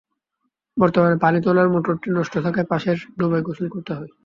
বর্তমানে পানি তোলার মোটরটি নষ্ট থাকায় পাশের ডোবায় গোসল করতে হয়।